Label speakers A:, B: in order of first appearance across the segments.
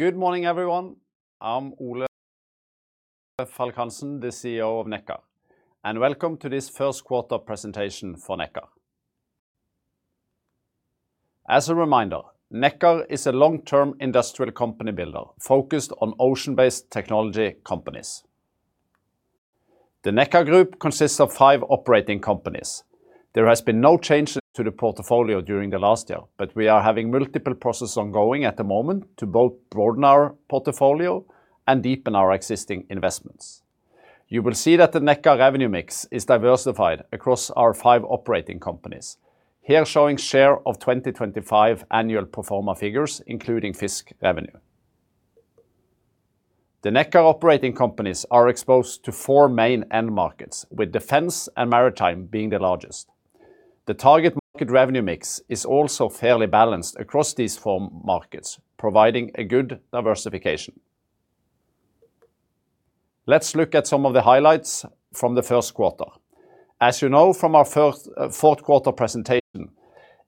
A: Good morning, everyone. I'm Ole Falk Hansen, the CEO of Nekkar. Welcome to this 1st quarter presentation for Nekkar. As a reminder, Nekkar is a long-term industrial company builder focused on ocean-based technology companies. The Nekkar group consists of five operating companies. There has been no change to the portfolio during the last year. We are having multiple processes ongoing at the moment to both broaden our portfolio and deepen our existing investments. You will see that the Nekkar revenue mix is diversified across our five operating companies, here showing share of 2025 annual pro forma figures, including FiiZK revenue. The Nekkar operating companies are exposed to four main end markets, with defense and maritime being the largest. The target market revenue mix is also fairly balanced across these four markets, providing a good diversification. Let's look at some of the highlights from the 1st quarter. As you know from our fourth quarter presentation,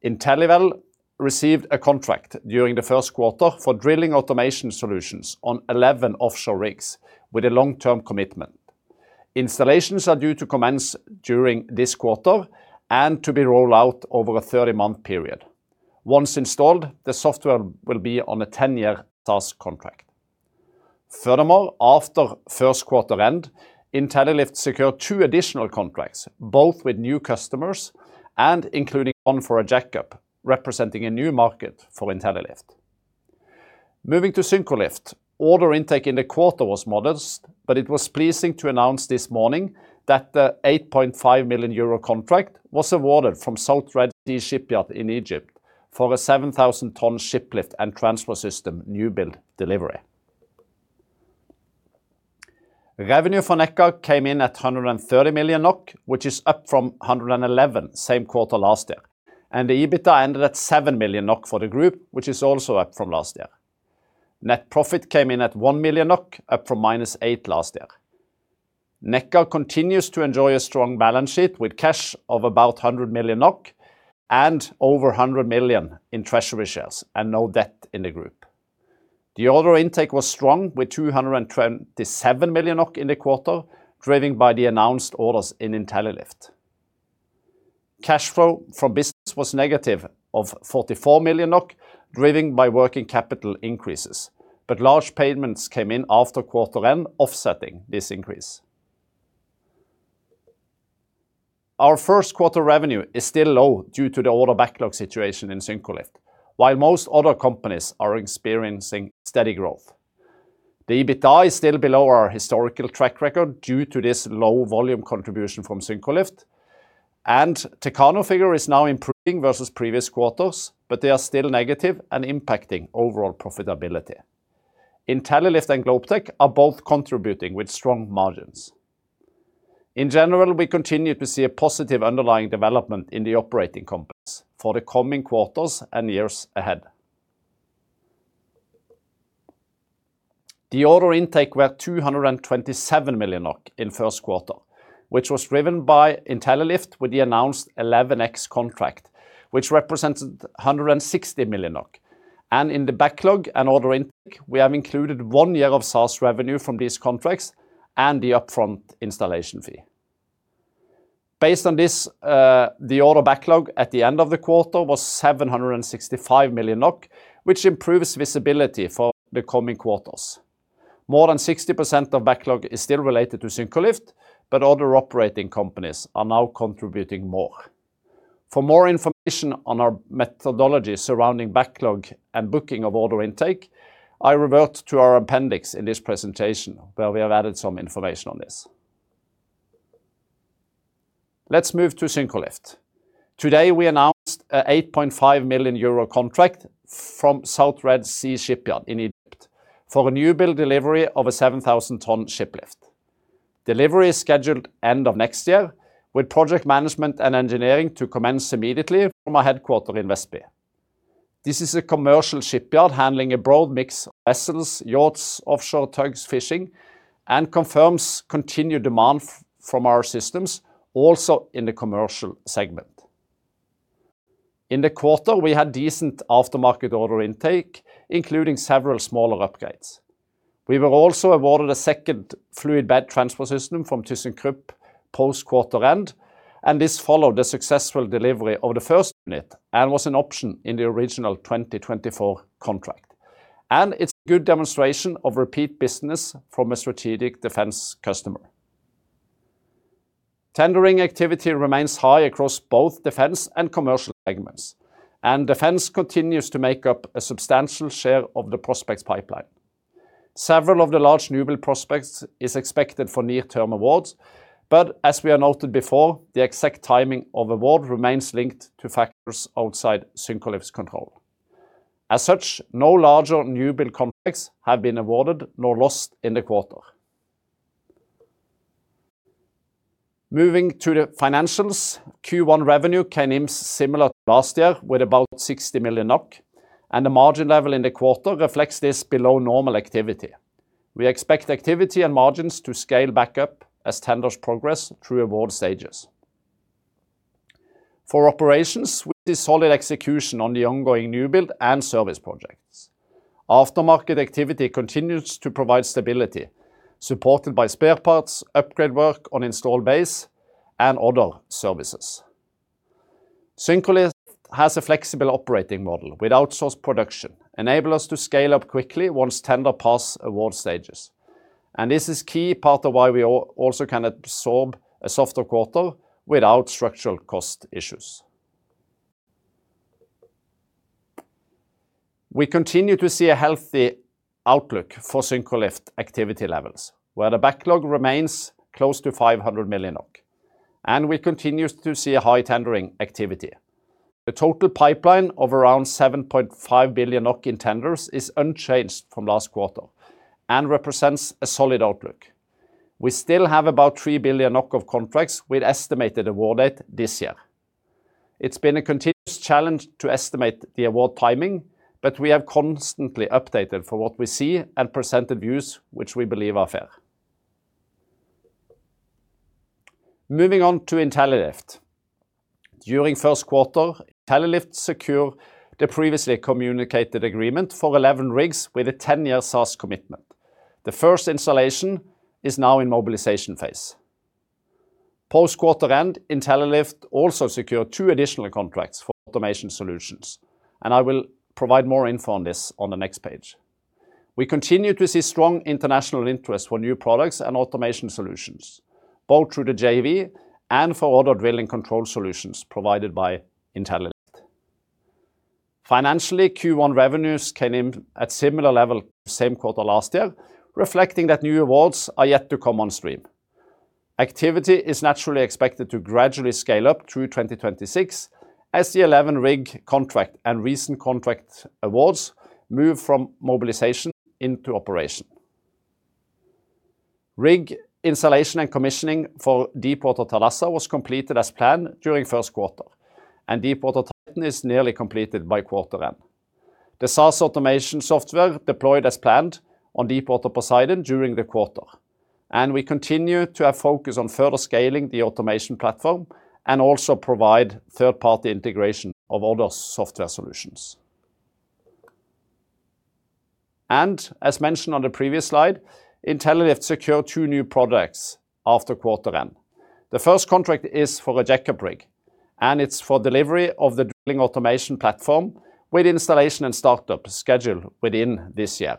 A: Intellilift received a contract during the first quarter for drilling automation solutions on 11 offshore rigs with a long-term commitment. Installations are due to commence during this quarter and to be rolled out over a 30-month period. Once installed, the software will be on a 10-year SaaS contract. After first quarter end, Intellilift secured two additional contracts, both with new customers and including one for a jack-up, representing a new market for Intellilift. Moving to Syncrolift, order intake in the quarter was modest. It was pleasing to announce this morning that the 8.5 million euro contract was awarded from South Red Sea Shipyard in Egypt for a 7,000 ton ship lift and transfer system new build delivery. Revenue for Nekkar came in at 130 million NOK, which is up from 111 same quarter last year. The EBITDA ended at 7 million NOK for the group, which is also up from last year. Net profit came in at 1 million NOK, up from -8 last year. Nekkar continues to enjoy a strong balance sheet with cash of about 100 million NOK and over 100 million in treasury shares and no debt in the group. The order intake was strong with 227 million NOK in the quarter, driven by the announced orders in Intellilift. Cash flow from business was negative of 44 million NOK, driven by working capital increases, large payments came in after quarter end offsetting this increase. Our first quarter revenue is still low due to the order backlog situation in Syncrolift, while most other companies are experiencing steady growth. The EBITDA is still below our historical track record due to this low volume contribution from Syncrolift. Techano figure is now improving versus previous quarters, but they are still negative and impacting overall profitability. Intellilift and Globetech are both contributing with strong margins. In general, we continue to see a positive underlying development in the operating companies for the coming quarters and years ahead. The order intake were 227 million NOK in first quarter, which was driven by Intellilift with the announced 11X contract, which represented 160 million NOK. In the backlog and order intake, we have included 1 year of SaaS revenue from these contracts and the upfront installation fee. Based on this, the order backlog at the end of the quarter was 765 million NOK, which improves visibility for the coming quarters. More than 60% of backlog is still related to Syncrolift, but other operating companies are now contributing more. For more information on our methodology surrounding backlog and booking of order intake, I revert to our appendix in this presentation where we have added some information on this. Let's move to Syncrolift. Today, we announced an 8.5 million euro contract from South Red Sea Shipyard in Egypt for a new build delivery of a 7,000 ton ship lift. Delivery is scheduled end of next year with project management and engineering to commence immediately from our headquarter in Vestby. This is a commercial shipyard handling a broad mix of vessels, yachts, offshore tugs, fishing, and confirms continued demand from our systems also in the commercial segment. In the quarter, we had decent aftermarket order intake, including several smaller upgrades. We were also awarded a second fluid bed transfer system from Thyssenkrupp post-quarter end, and this followed the successful delivery of the first unit and was an option in the original 2024 contract. It's a good demonstration of repeat business from a strategic defense customer. Tendering activity remains high across both defense and commercial segments, and defense continues to make up a substantial share of the prospects pipeline. Several of the large new build prospects is expected for near-term awards, but as we have noted before, the exact timing of award remains linked to factors outside Syncrolift's control. As such, no larger new build contracts have been awarded nor lost in the quarter. Moving to the financials, Q1 revenue came in similar to last year with about 60 million NOK, and the margin level in the quarter reflects this below normal activity. We expect activity and margins to scale back up as tenders progress through award stages. For operations with the solid execution on the ongoing new build and service projects. Aftermarket activity continues to provide stability supported by spare parts, upgrade work on installed base and other services. Syncrolift has a flexible operating model with outsourced production, enable us to scale up quickly once tender pass award stages. This is key part of why we also can absorb a softer quarter without structural cost issues. We continue to see a healthy outlook for Syncrolift activity levels, where the backlog remains close to 500 million NOK, and we continue to see a high tendering activity. The total pipeline of around 7.5 billion NOK in tenders is unchanged from last quarter and represents a solid outlook. We still have about 3 billion of contracts with estimated award date this year. It's been a continuous challenge to estimate the award timing, but we have constantly updated for what we see and presented views which we believe are fair. Moving on to Intellilift. During first quarter, Intellilift secure the previously communicated agreement for 11 rigs with a 10-year SaaS commitment. The first installation is now in mobilization phase. Post quarter end, Intellilift also secured two additional contracts for automation solutions, and I will provide more info on this on the next page. We continue to see strong international interest for new products and automation solutions, both through the JV and for other drilling control solutions provided by Intellilift. Financially, Q1 revenues came in at similar level to the same quarter last year, reflecting that new awards are yet to come on stream. Activity is naturally expected to gradually scale up through 2026 as the 11 rig contract and recent contract awards move from mobilization into operation. Rig installation and commissioning for Deepwater Thalassa was completed as planned during first quarter. Deepwater Titan is nearly completed by quarter end. The SaaS automation software deployed as planned on Deepwater Poseidon during the quarter. We continue to have focus on further scaling the automation platform and also provide third party integration of other software solutions. As mentioned on the previous slide, Intellilift secured two new products after quarter end. The first contract is for a jack-up rig, and it's for delivery of the drilling automation platform with installation and startup scheduled within this year.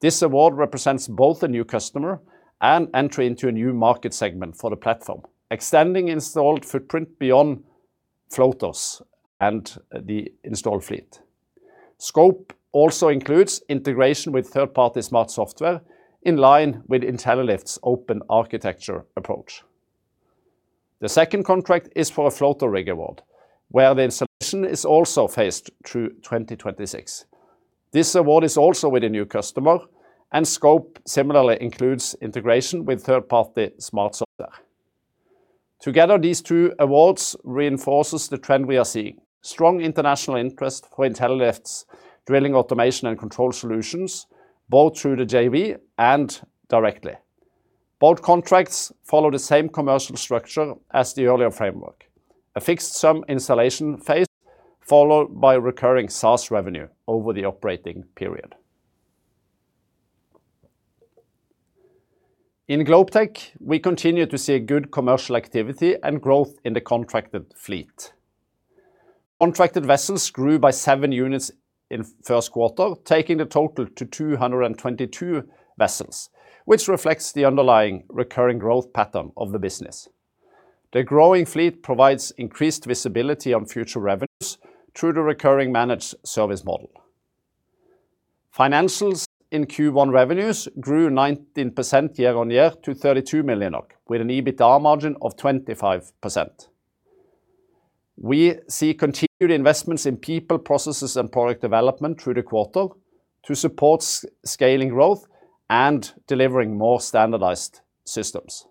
A: This award represents both a new customer and entry into a new market segment for the platform, extending installed footprint beyond floaters and the installed fleet. Scope also includes integration with third party smart software in line with Intellilift's open architecture approach. The second contract is for a floater rig award, where the installation is also phased through 2026. This award is also with a new customer. Scope similarly includes integration with third party smart software. Together, these two awards reinforces the trend we are seeing. Strong international interest for Intellilift's drilling, automation and control solutions, both through the JV and directly. Both contracts follow the same commercial structure as the earlier framework. A fixed sum installation phase followed by recurring SaaS revenue over the operating period. In Globetech, we continue to see a good commercial activity and growth in the contracted fleet. Contracted vessels grew by 7 units in first quarter, taking the total to 222 vessels, which reflects the underlying recurring growth pattern of the business. The growing fleet provides increased visibility on future revenues through the recurring managed service model. Financials in Q1 revenues grew 19% year-on-year to 32 million with an EBITDA margin of 25%. We see continued investments in people, processes and product development through the quarter to support scaling growth and delivering more standardized systems.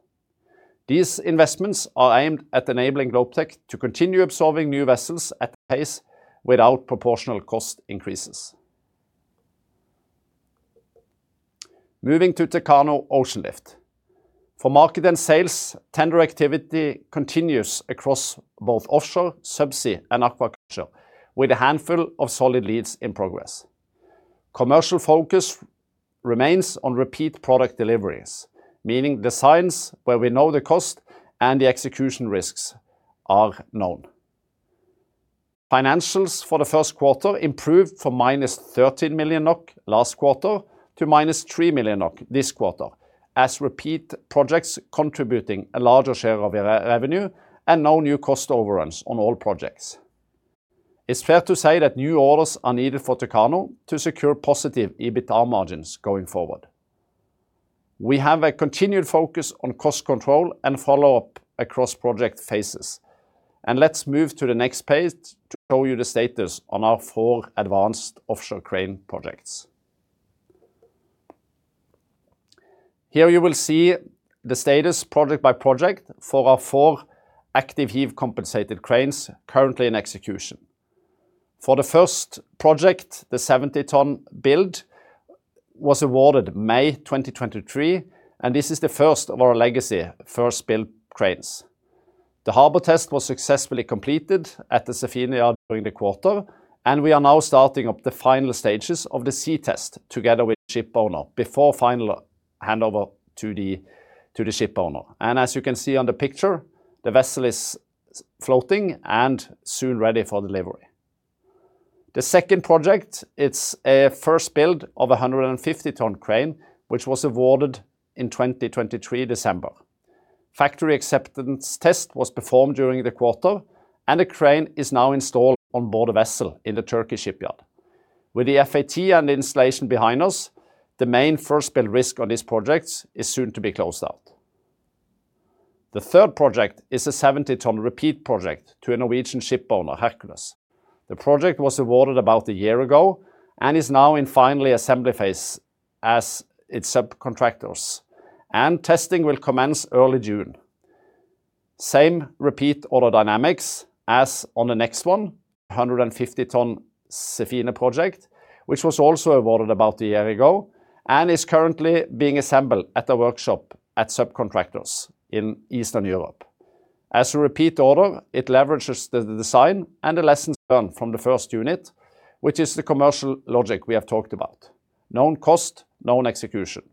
A: These investments are aimed at enabling Globetech to continue absorbing new vessels at pace without proportional cost increases. Moving to Techano Oceanlift. For market and sales, tender activity continues across both offshore, subsea and aquaculture, with a handful of solid leads in progress. Commercial focus remains on repeat product deliveries, meaning designs where we know the cost and the execution risks are known. Financials for the first quarter improved from minus 13 million NOK last quarter to minus 3 million NOK this quarter, as repeat projects contributing a larger share of revenue and no new cost overruns on all projects. It's fair to say that new orders are needed for Techano to secure positive EBITDA margins going forward. We have a continued focus on cost control and follow-up across project phases. Let's move to the next page to show you the status on our four advanced offshore crane projects. Here you will see the status project by project for our four active heave compensated cranes currently in execution. For the first project, the 70-ton build was awarded May 2023, and this is the first of our legacy first-build cranes. The harbor test was successfully completed at the Sefine Shipyard during the quarter, and we are now starting up the final stages of the sea test together with ship owner before final handover to the ship owner. As you can see on the picture, the vessel is floating and soon ready for delivery. The second project, it's a first build of a 150-ton crane, which was awarded in 2023 December. Factory acceptance test was performed during the quarter, and the crane is now installed on board a vessel in the Turkish shipyard. With the FAT and installation behind us, the main first-build risk on these projects is soon to be closed out. The third project is a 70-ton repeat project to a Norwegian ship owner, Hercules. The project was awarded about a year ago and is now in final assembly phase as its subcontractors. Testing will commence early June. Same repeat order dynamics as on the next one, a 150-ton Sefine project, which was also awarded about a year ago and is currently being assembled at a workshop at subcontractors in Eastern Europe. As a repeat order, it leverages the design and the lessons learned from the first unit, which is the commercial logic we have talked about. Known cost, known execution.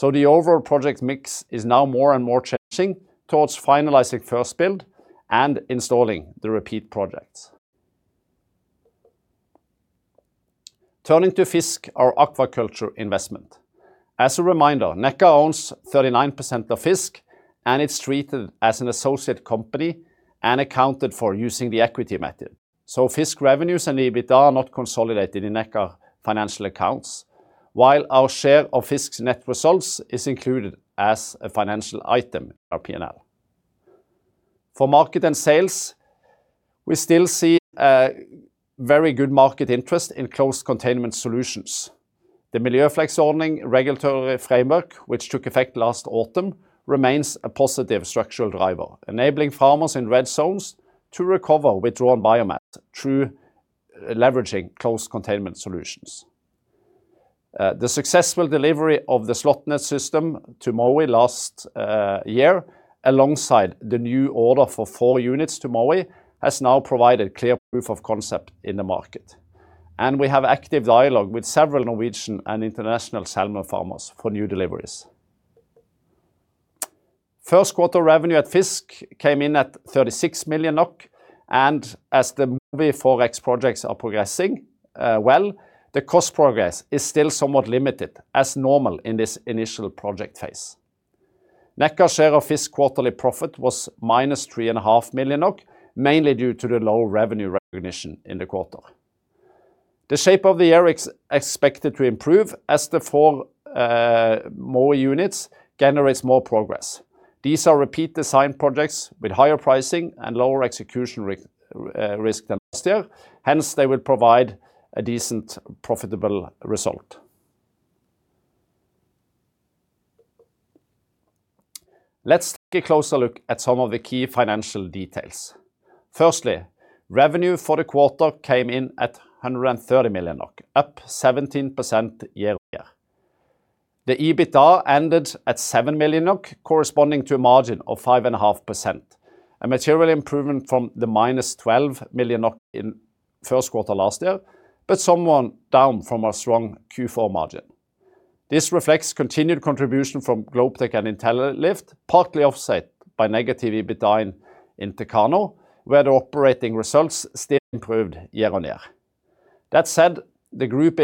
A: The overall project mix is now more and more changing towards finalizing first build and installing the repeat projects. Turning to FiiZK, our aquaculture investment. As a reminder, Nekkar owns 39% of FiiZK, it's treated as an associate company and accounted for using the equity method. FiiZK revenues and the EBITDA are not consolidated in Nekkar financial accounts, while our share of FiiZK's net results is included as a financial item in our P&L. For market and sales, we still see a very good market interest in closed containment solutions. The Miljøfleksordning regulatory framework, which took effect last autumn, remains a positive structural driver, enabling farmers in red zones to recover withdrawn biomass through leveraging closed containment solutions. The successful delivery of the [SlotNet] system to Mowi last year, alongside the new order for four units to Mowi, has now provided clear proof of concept in the market. We have active dialogue with several Norwegian and international salmon farmers for new deliveries. First quarter revenue at FiiZK came in at 36 million NOK, As the Mowi FiiZK projects are progressing, well, the cost progress is still somewhat limited, as normal in this initial project phase. Nekkar share of FiiZK quarterly profit was minus three and a half million NOK, mainly due to the low revenue recognition in the quarter. The shape of the year is expected to improve as the 4 Mowi units generates more progress. These are repeat design projects with higher pricing and lower execution risk than last year, hence they will provide a decent profitable result. Let's take a closer look at some of the key financial details. Firstly, revenue for the quarter came in at 130 million, up 17% year-on-year. The EBITDA ended at 7 million NOK, corresponding to a margin of 5.5%, a material improvement from the minus 12 million NOK in first quarter last year, but somewhat down from our strong Q4 margin. This reflects continued contribution from Globetech and Intellilift, partly offset by negative EBITDA in Techano, where the operating results still improved year-on-year. That said, the group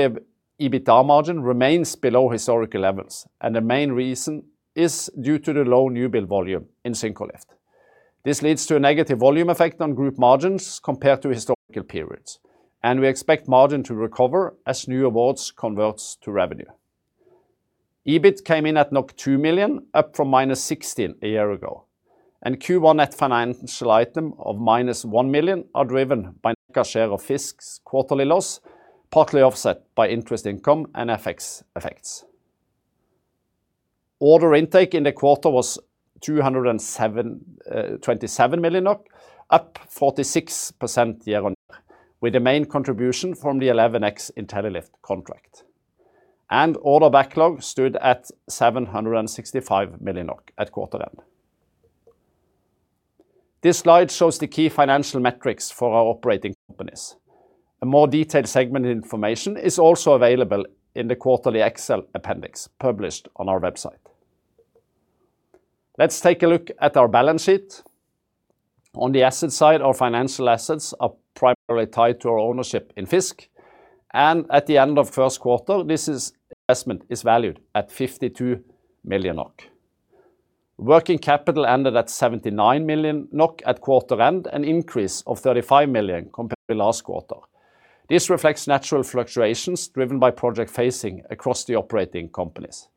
A: EBITDA margin remains below historical levels, and the main reason is due to the low new build volume in Syncrolift. This leads to a negative volume effect on group margins compared to historical periods, and we expect margin to recover as new awards converts to revenue. EBIT came in at 2 million, up from -16 a year ago. Q1 net financial item of -1 million are driven by Nekkar share of FiiZK's quarterly loss, partly offset by interest income and FX effects. Order intake in the quarter was 227 million, up 46% year-on-year, with the main contribution from the 11X Intellilift contract. Order backlog stood at 765 million at quarter end. This slide shows the key financial metrics for our operating companies. A more detailed segment information is also available in the quarterly Excel appendix published on our website. Let's take a look at our balance sheet. On the asset side, our financial assets are primarily tied to our ownership in FiiZK, and at the end of first quarter, this investment is valued at 52 million NOK. Working capital ended at 79 million NOK at quarter end, an increase of 35 million compared to last quarter. This reflects natural fluctuations driven by project phasing across the operating companies.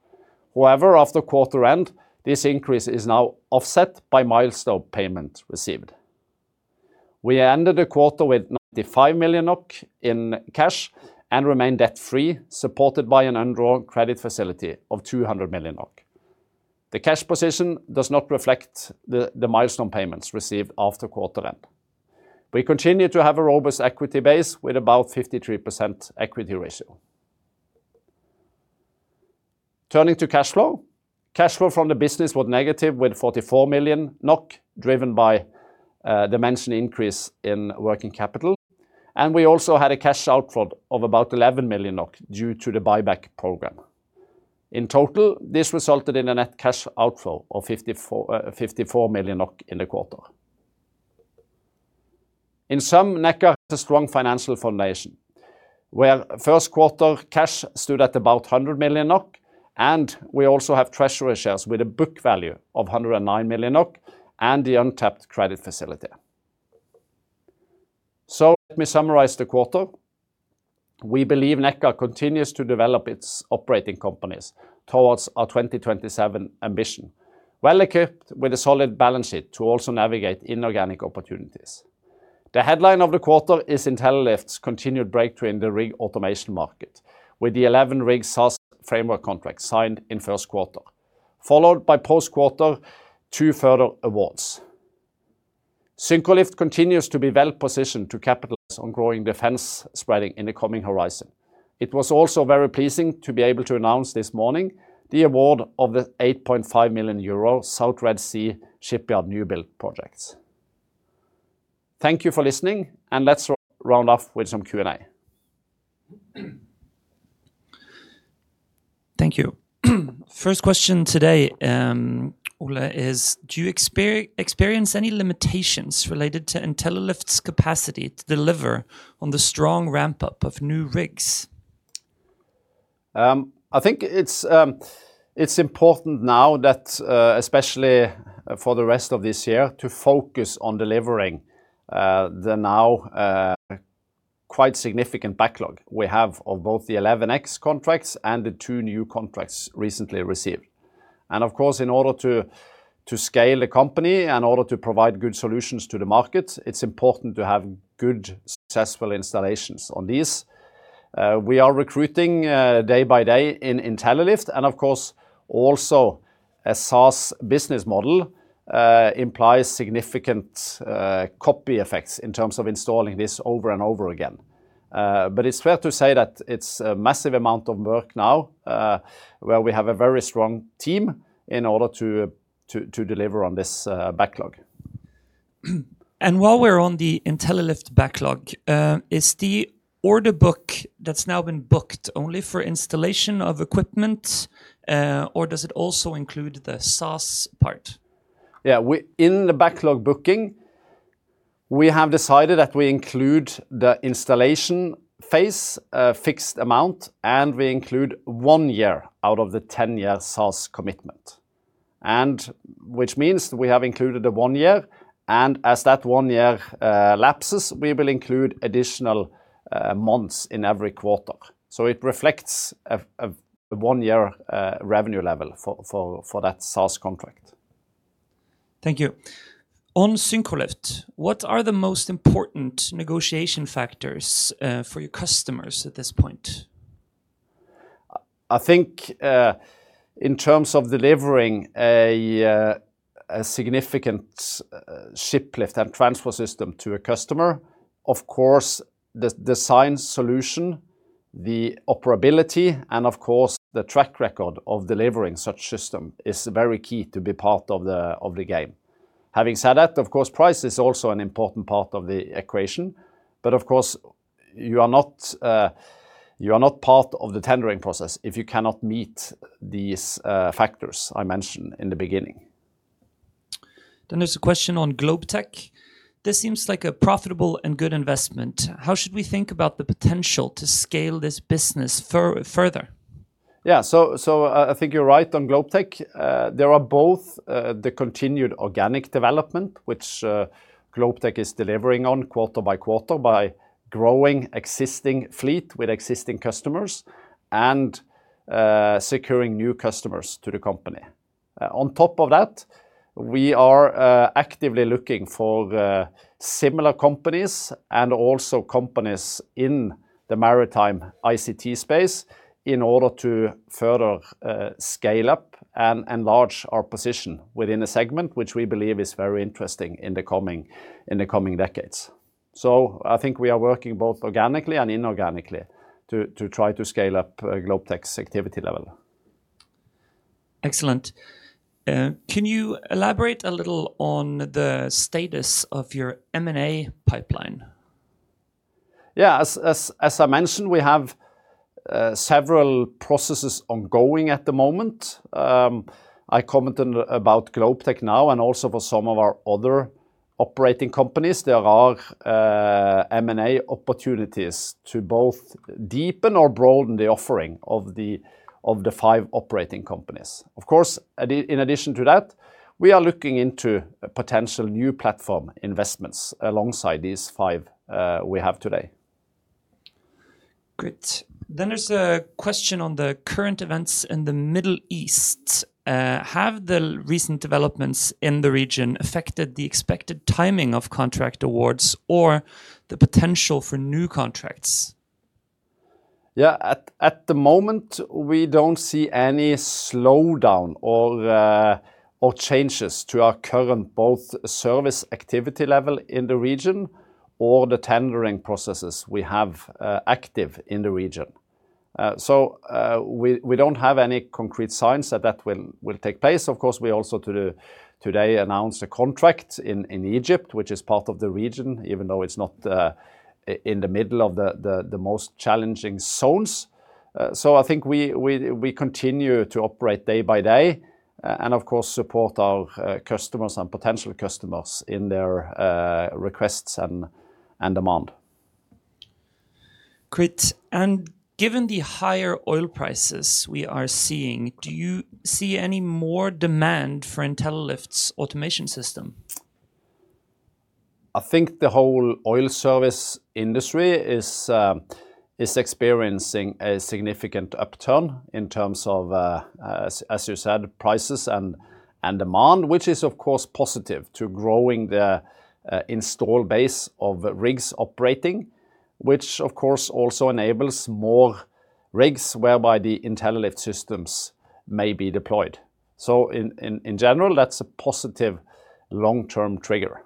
A: After quarter end, this increase is now offset by milestone payment received. We ended the quarter with 95 million in cash and remain debt-free, supported by an undrawn credit facility of 200 million NOK. The cash position does not reflect the milestone payments received after quarter end. We continue to have a robust equity base with about 53% equity ratio. Turning to cash flow. Cash flow from the business was negative with 44 million NOK, driven by the mentioned increase in working capital, and we also had a cash outflow of about 11 million NOK due to the buyback program. In total, this resulted in a net cash outflow of 54 million in the quarter. In sum, Nekkar has a strong financial foundation, where first quarter cash stood at about 100 million NOK, and we also have treasury shares with a book value of 109 million NOK and the untapped credit facility. Let me summarize the quarter. We believe Nekkar continues to develop its operating companies towards our 2027 ambition, well equipped with a solid balance sheet to also navigate inorganic opportunities. The headline of the quarter is Intellilift's continued breakthrough in the rig automation market, with the 11-rig SaaS framework contract signed in first quarter, followed by post-quarter two further awards. Syncrolift continues to be well positioned to capitalize on growing defense spending in the coming horizon. It was also very pleasing to be able to announce this morning the award of the 8.5 million euro South Red Sea Shipyard new build projects. Thank you for listening, and let's round off with some Q&A.
B: Thank you. First question today, Ole, is do you experience any limitations related to Intellilift's capacity to deliver on the strong ramp-up of new rigs?
A: I think it's important now that, especially for the rest of this year, to focus on delivering the now quite significant backlog we have of both the 11X contracts and the 2 new contracts recently received. Of course, in order to scale the company, in order to provide good solutions to the market, it's important to have good successful installations on these. We are recruiting day by day in Intellilift and, of course, also a SaaS business model implies significant copy effects in terms of installing this over and over again. It's fair to say that it's a massive amount of work now, where we have a very strong team in order to deliver on this backlog.
B: While we're on the Intellilift backlog, is the order book that's now been booked only for installation of equipment, or does it also include the SaaS part?
A: Yeah. In the backlog booking, we have decided that we include the installation phase, a fixed amount, and we include 1 year out of the 10-year SaaS commitment, and which means we have included the one year, and as that one year lapses, we will include additional months in every quarter. It reflects a 1-year revenue level for that SaaS contract.
B: Thank you. On Syncrolift, what are the most important negotiation factors, for your customers at this point?
A: I think, in terms of delivering a significant shiplift and transport system to a customer, of course, the design solution, the operability, and of course, the track record of delivering such system is very key to be part of the game. Having said that, of course, price is also an important part of the equation. Of course, you are not part of the tendering process if you cannot meet these factors I mentioned in the beginning.
B: There's a question on Globetech. This seems like a profitable and good investment. How should we think about the potential to scale this business further?
A: Yeah. I think you're right on Globetech. There are both the continued organic development which Globetech is delivering on quarter by quarter by growing existing fleet with existing customers and securing new customers to the company. On top of that, we are actively looking for similar companies and also companies in the maritime ICT space in order to further scale up and enlarge our position within the segment which we believe is very interesting in the coming decades. I think we are working both organically and inorganically to try to scale up Globetech's activity level.
B: Excellent. Can you elaborate a little on the status of your M&A pipeline?
A: As I mentioned, we have several processes ongoing at the moment. I commented about Globetech now and also for some of our other operating companies. There are M&A opportunities to both deepen or broaden the offering of the five operating companies. Of course, in addition to that, we are looking into potential new platform investments alongside these five we have today.
B: Great. There's a question on the current events in the Middle East. Have the recent developments in the region affected the expected timing of contract awards or the potential for new contracts?
A: Yeah. At the moment, we don't see any slowdown or changes to our current both service activity level in the region or the tendering processes we have active in the region. We don't have any concrete signs that that will take place. Of course, we also today announced a contract in Egypt, which is part of the region, even though it's not in the middle of the most challenging zones. I think we continue to operate day by day, and of course, support our customers and potential customers in their requests and demand.
B: Great. Given the higher oil prices we are seeing, do you see any more demand for Intellilift's automation system?
A: I think the whole oil service industry is experiencing a significant upturn in terms of, as you said, prices and demand, which is, of course, positive to growing the install base of rigs operating, which of course, also enables more rigs whereby the Intellilift systems may be deployed. In general, that's a positive long-term trigger.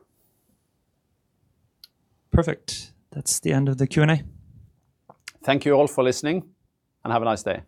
B: Perfect. That's the end of the Q&A.
A: Thank you all for listening, and have a nice day.